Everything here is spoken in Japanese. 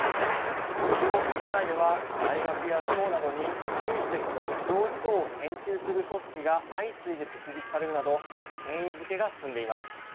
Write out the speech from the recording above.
中国国内では大学や省などに習主席の指導思想を研究する組織が相次いで設立されるなど権威づけが進んでいます。